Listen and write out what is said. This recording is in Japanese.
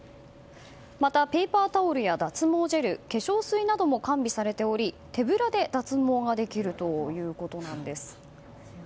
またペーパータオルや脱毛ジェル化粧水なども完備されており手ぶらで脱毛ができるということなんです。